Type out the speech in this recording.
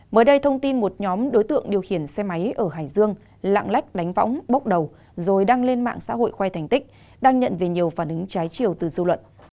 mới đây thông tin một nhóm đối tượng điều khiển xe máy ở hải dương lạng lách đánh võng bốc đầu rồi đăng lên mạng xã hội khoe thành tích đang nhận về nhiều phản ứng trái chiều từ dư luận